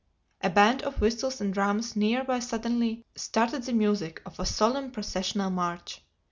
A band of whistles and drums near by suddenly started the music of a solemn processional march.